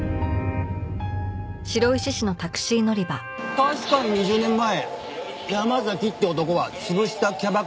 確かに２０年前山崎って男は潰したキャバクラで雇ってたよ。